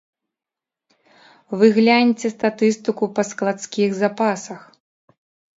Вы гляньце статыстыку па складскіх запасах.